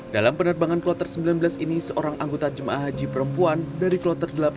dalam penerbangan kloter sembilan belas ini seorang anggota jemaah haji perempuan dari kloter delapan belas